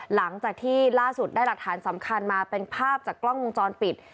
หลังจากที่ล่าสุดได้หลักฐานสำคัญมาเป็นภาพจากกล้องวงจรปิด